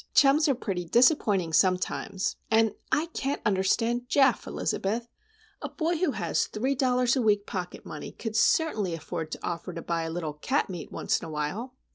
Chums are pretty disappointing, sometimes,—and I can't understand Geof, Elizabeth! A boy who has three dollars a week pocket money could certainly afford to offer to buy a little cat meat once in a while.